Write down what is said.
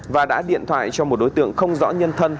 và đã điện thoại cho một đối tượng không rõ nhân thân